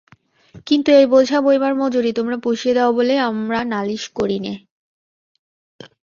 কিন্তু এই বোঝা বইবার মজুরি তোমরা পুষিয়ে দাও বলেই আমরা নালিশ করি নে।